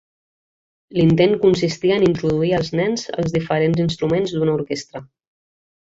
L'intent consistia en introduir els nens als diferents instruments d'una orquestra.